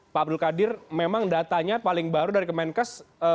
pak abdul qadir memang datanya paling baru dari kemenkes